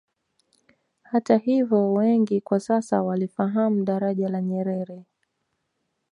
Hata hivyo wengi kwa sasa wanalifahamu Daraja la Nyerere